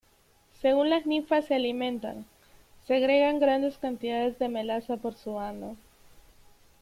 Según las ninfas se alimentan, segregan grandes cantidades de melaza por su ano.